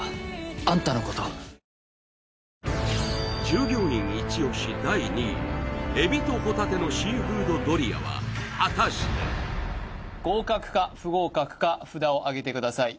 従業員イチ押し第２位海老と帆立のシーフードドリアは果たして合格か不合格か札をあげてください